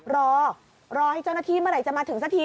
รอรอให้เจ้าหน้าที่เมื่อไหร่จะมาถึงสักที